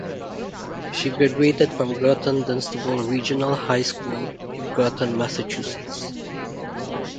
She graduated from Groton-Dunstable Regional High School in Groton, Massachusetts.